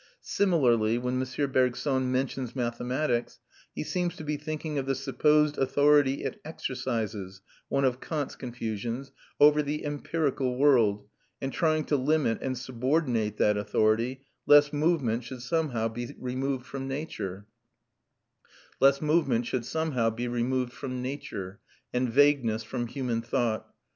Similarly when M. Bergson mentions mathematics, he seems to be thinking of the supposed authority it exercises one of Kant's confusions over the empirical world, and trying to limit and subordinate that authority, lest movement should somehow be removed from nature, and vagueness from human thought.